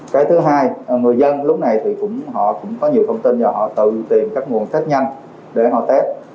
cái thứ hai người dân lúc này thì họ cũng có nhiều thông tin và họ tự tìm các nguồn tết nhanh để họ test